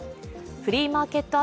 フリーマーケット